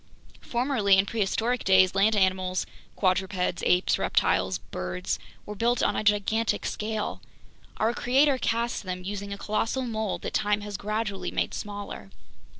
Formerly, in prehistoric days, land animals (quadrupeds, apes, reptiles, birds) were built on a gigantic scale. Our Creator cast them using a colossal mold that time has gradually made smaller.